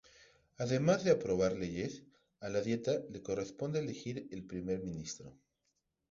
Además de aprobar leyes, a la Dieta le corresponde elegir al Primer Ministro.